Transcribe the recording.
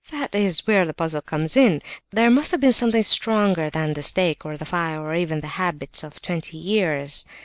That is where the puzzle comes in! There must have been something stronger than the stake or the fire, or even than the habits of twenty years!